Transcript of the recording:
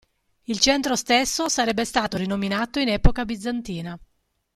Il centro stesso sarebbe stato rinominato in epoca bizantina.